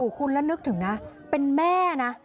คุณแล้วนึกถึงนะเป็นแม่นะ